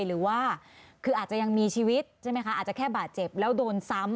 หรือว่าคืออาจจะยังมีชีวิตใช่ไหมคะอาจจะแค่บาดเจ็บแล้วโดนซ้ำ